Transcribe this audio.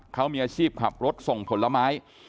เขามีอาชีพขับรถส่งผลไม้